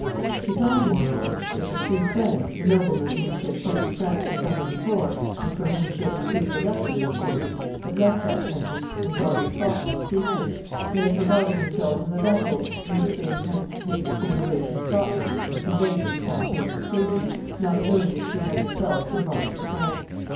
She found, moreover, that the three friends, the noblemen whom she had sent to France the summer before, and from whom she had received the letter we have quoted, had left that country and gone to Scotland to seek her. They had provided themselves with a vessel, in which they intended to take the queen away from Scotland and convey her to some place of safety, not knowing that she had herself embarked for France.